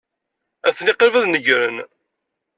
Atni qrib ad negren.